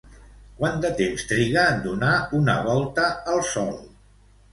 Quant de temps triga en donar una volta al sol?